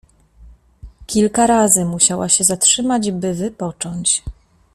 Kilka razy musiała się zatrzymać, by wypocząć.